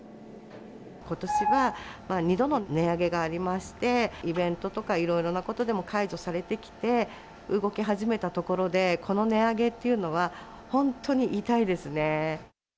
ことしは２度の値上げがありまして、イベントとかいろいろなことでも解除されてきて、動き始めたところで、この値上げっていうのは、本当に痛いですね。